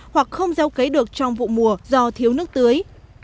hoặc không gieo cấy được trong vụ mùa do thiếu nước tưới